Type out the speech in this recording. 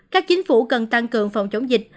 các chính phủ cần tăng cường phòng chống dịch